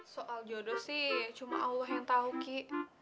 soal jodoh sih cuma allah yang tahu ki